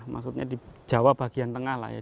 maksudnya di jawa bagian tengah lah ya